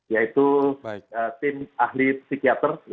yaitu tim ahli psikiater